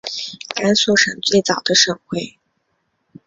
甘肃省最早的省会。